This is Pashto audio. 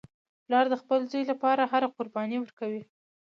پلار د خپل زوی لپاره هره قرباني ورکوي